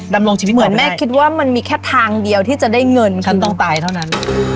ดำรงชีวิตเหมือนแม่คิดว่ามันมีแค่ทางเดียวที่จะได้เงินฉันต้องตายเท่านั้น